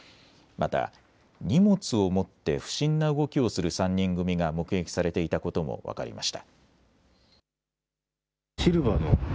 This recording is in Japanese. また荷物を持って不審な動きをする３人組が目撃されていたことも分かりました。